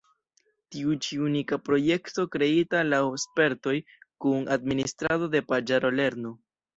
Tiu ĉi unika projekto kreita laŭ spertoj kun administrado de paĝaro lernu!